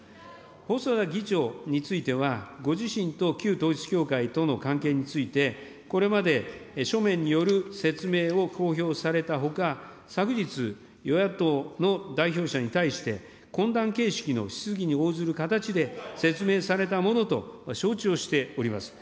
細田議長については、ご自身と旧統一教会との関係について、これまで書面による説明を公表されたほか、昨日、与野党の代表者に対して、懇談形式の質疑に応ずる形で説明されたものと承知をしております。